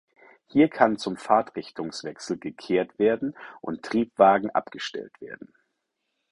Hier kann zum Fahrtrichtungswechsel gekehrt werden und Triebwagen abgestellt werden.